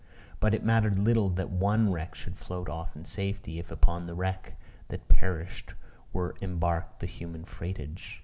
But it mattered little that one wreck should float off in safety, if upon the wreck that perished were embarked the human freightage.